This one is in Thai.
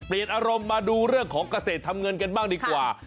อารมณ์มาดูเรื่องของเกษตรทำเงินกันบ้างดีกว่า